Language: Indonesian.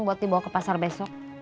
buat dibawa ke pasar besok